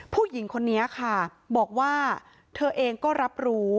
ผู้หญิงคนนี้ค่ะบอกว่าเธอเองก็รับรู้